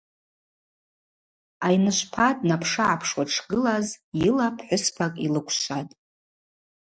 Айныжвпа днапшыгӏапшуа дшгылаз йыла пхӏвыспакӏ йлыквшватӏ.